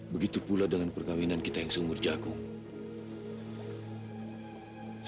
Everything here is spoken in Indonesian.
begitu pula dengan perkahwinan kita yang seumur jahat